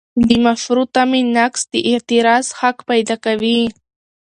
د مشروع تمې نقض د اعتراض حق پیدا کوي.